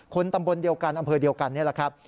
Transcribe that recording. ตำบลเดียวกันอำเภอเดียวกันนี่แหละครับ